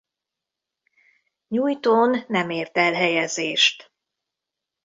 Nyújtón nem ért el helyezést.